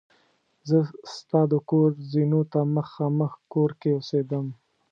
زه ستا د کور زینو ته مخامخ کور کې اوسېدم.